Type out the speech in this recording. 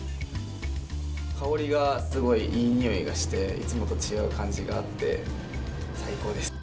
香りがすごいいいにおいがして、いつもと違う感じがあって、最高です。